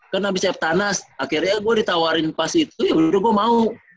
kan abis ftana akhirnya gue ditawarin pas itu ya udah gue mau